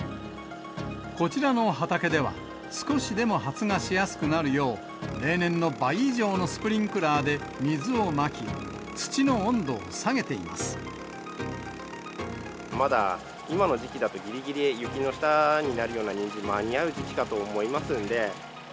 こちらの畑では、少しでも発芽しやすくなるよう、例年の倍以上のスプリンクラーで水をまき、土の温度を下げていままだ今の時期だと、ぎりぎり雪の下になるようなにんじん、間に合う時期かと思いますんで。